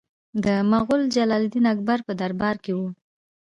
د مغول جلال الدین اکبر په دربار کې و.